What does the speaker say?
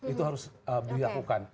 itu harus dilakukan